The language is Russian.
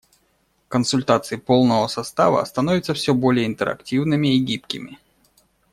Консультации полного состава становятся все более интерактивными и гибкими.